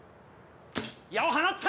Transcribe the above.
矢を放った！